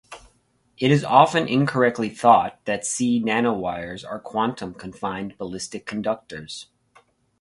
It is often incorrectly thought that Si nanowires are quantum confined ballistic conductors.